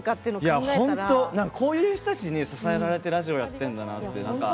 こういう人たちに支えられてラジオをやってるんだなって。